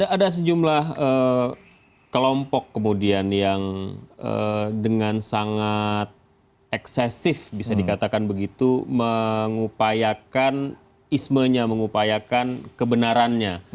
ada sejumlah kelompok kemudian yang dengan sangat eksesif bisa dikatakan begitu mengupayakan ismenya mengupayakan kebenarannya